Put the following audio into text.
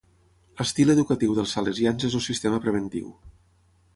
L'estil educatiu dels salesians es el sistema preventiu